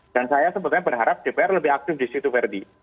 dan saya sebetulnya berharap dpr lebih aktif di situ verdi